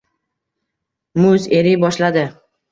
Muz eriy boshladi